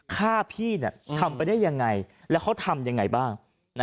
ฆ่าพี่ทำไปได้ยังไงแล้วเขาทำยังไงบ้าง